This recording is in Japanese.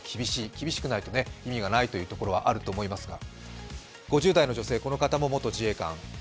厳しくないと意味がないというところはあると思いますが。